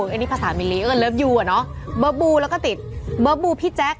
อันนี้ภาษามิลลีก็เลิฟยูอะเนาะเบอร์บูแล้วก็ติดเบอร์บูพี่แจ๊ค